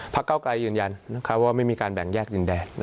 เก้าไกรยืนยันว่าไม่มีการแบ่งแยกดินแดง